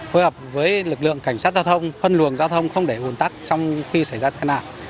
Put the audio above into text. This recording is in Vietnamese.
hội hợp với lực lượng cảnh sát giao thông phân luồng giao thông không để hùn tắt trong khi xảy ra tai nạn